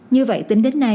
như vậy tính đến nay